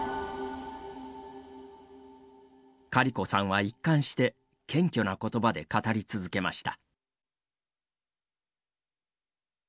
カリコさんは一貫して謙虚なことばで語り続けました。